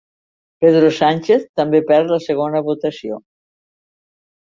Pedro Sánchez també perd la segona votació.